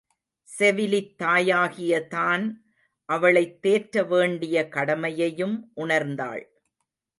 செவிலித் தாயாகிய தான் அவளைத் தேற்ற வேண்டிய கடமையையும் உணர்ந்தாள்.